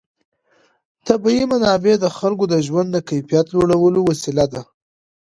طبیعي منابع د خلکو د ژوند د کیفیت لوړولو وسیله ده.